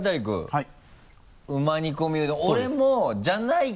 はい。